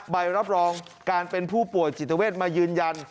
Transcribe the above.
ใบรับรองการเป็นผู้ป่วยจิตเวทมายืนยัน